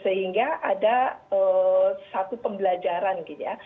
sehingga ada satu pembelajaran gitu ya